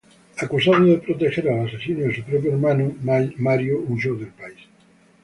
Acusado de proteger al asesino de su propio hermano, Mario huyó del país.